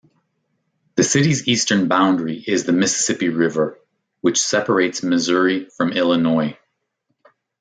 The city's eastern boundary is the Mississippi River, which separates Missouri from Illinois.